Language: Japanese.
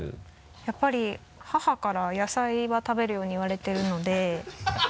やっぱり母から野菜は食べるように言われてるので。